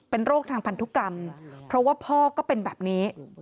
เป็นโรคทางพันธุกรรมเพราะว่าพ่อก็เป็นแบบนี้